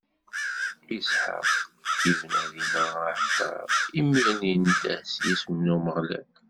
Isḥaq ibna dinna aɛalṭar, imiren indeh s yisem n Umeɣlal.